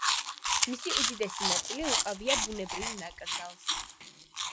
მისი უდიდესი ნაწილი უკავია ბუნებრივ ნაკრძალს.